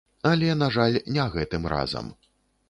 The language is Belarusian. Але, на жаль, не гэтым разам!